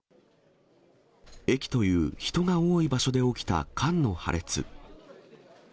駅という人が多い場所で起きた缶の破裂。